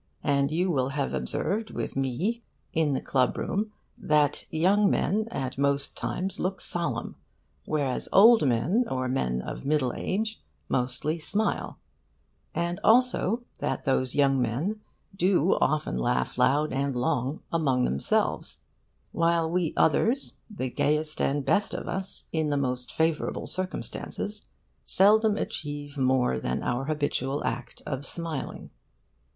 And you will have observed with me in the club room that young men at most times look solemn, whereas old men or men of middle age mostly smile; and also that those young men do often laugh loud and long among themselves, while we others the gayest and best of us in the most favourable circumstances seldom achieve more than our habitual act of smiling.